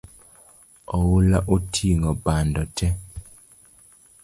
Oula oting’o bando tee